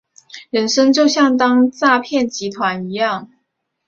人生就像当诈骗集团一样